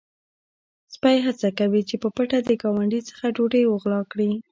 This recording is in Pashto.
سپی هڅه کوي چې په پټه د ګاونډي څخه ډوډۍ وغلا کړي.